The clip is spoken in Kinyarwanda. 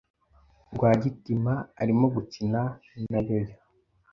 Rwagitima arimo gukina na yo-yo.